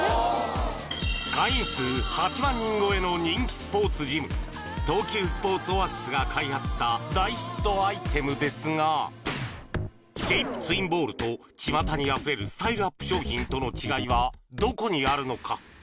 会員数８万人超えの人気スポーツジム東急スポーツオアシスが開発した大ヒットアイテムですがシェイプツインボールとちまたにあふれるスタイルアップ商品との違いはどこにあるのか？